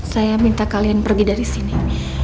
saya minta kalian pergi dari sini